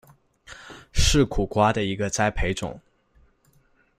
是苦瓜的一个栽培种。